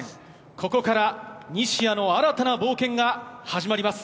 ここから西矢の新たな冒険が始まります。